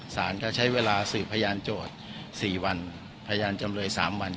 ศาลก็ใช้เวลาสื่อพยานโจทย์สี่วันพยานจำเลยสามวันครับ